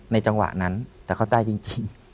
จังหวะนั้นแต่เขาตายจริง